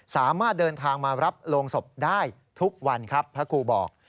สามารถเดินทางมารับโรงศพได้ทุกวันครับพระครูบอก